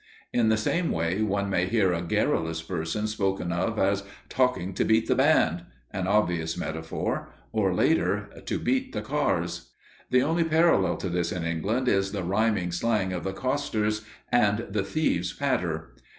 In the same way one may hear a garrulous person spoken of as "talking to beat the band," an obvious metaphor; or, later, "to beat the cars." The only parallel to this in England is the "rhyming slang" of the costers, and the thieves' "patter."